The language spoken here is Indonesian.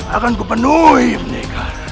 akan kupenuhi menegar